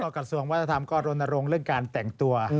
กระทรวงวัฒนธรรมก็รณรงค์เรื่องการแต่งตัว